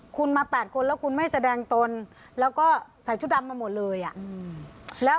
คุณมา๘คนแล้วคุณไม่แสดงตนแล้วก็ใส่ชุดดำมาหมดเลย